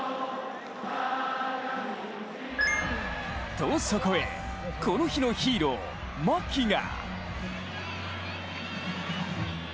と、そこへこの日のヒーロー牧が。